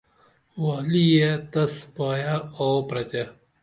والی یے تس پائے آوو پرتے